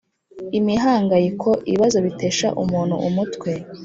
imihangayiko: ibibazo bitesha umuntu umutwe.